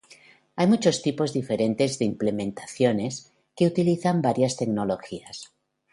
Hay muchos tipos diferentes de implementaciones, que utilizan varias tecnologías.